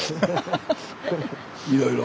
いろいろ。